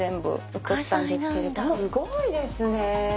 すごいですね。